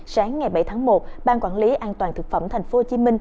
sáng ngày bảy tháng một bang quản lý an toàn thực phẩm tp hcm